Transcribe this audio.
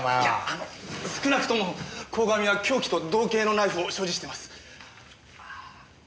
あの少なくとも鴻上は凶器と同型のナイフを所持してます。